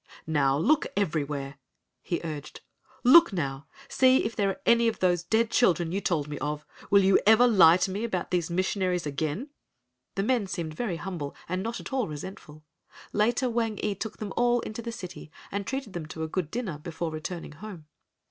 "Now look everywhere," he urged, "look now, see if there are any of those dead children you told me of. Will you ever lie to me about these missionaries again?" The men seemed very humble and not at all resentful. Later Wang ee took them all into the city and treated them to a good dinner before returning home.